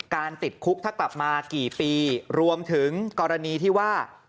ติดคุกถ้ากลับมากี่ปีรวมถึงกรณีที่ว่า